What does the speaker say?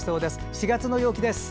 ４月の陽気です。